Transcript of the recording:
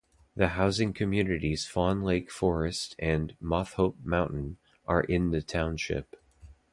The housing communities Fawn Lake Forest and Masthope Mountain are in the township.